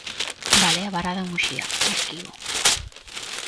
Balea varada en Muxía, arquivo.